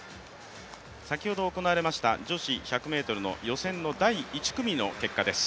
先ほど行われました女子１００ｍの予選の第１組の結果です。